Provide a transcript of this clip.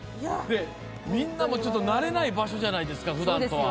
みんなも慣れない場所じゃないですか、ふだんとは。